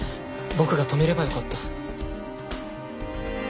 僕が止めればよかった。